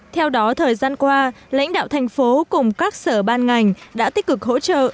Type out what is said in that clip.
theo đó thời gian qua lãnh đạo thành phố cùng các sở ban ngành đã tích cực hỗ trợ